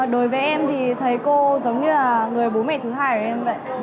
đối với em thì thầy cô giống như là người bố mẹ thứ hai của em dạy